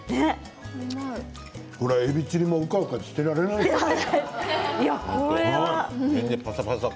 これは、えびチリもうかうかしていられないですね。